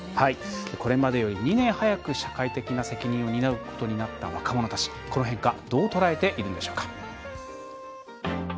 これまでより２年早く社会的な責任を担うことになった若者たち、この変化どう捉えているんでしょうか。